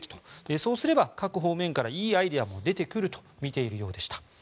そうすれば各方面からいいアイデアも出てくるとみているようでした。